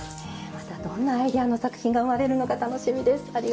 またどんなアイデアの作品が生まれるのか楽しみです。